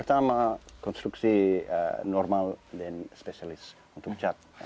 sama konstruksi normal dan specialist untuk cat